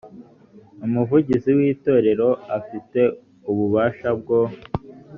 umuvugizi w itorero afite ububasha bwo